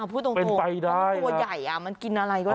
พูดตรงตัวใหญ่มันกินอะไรก็ได้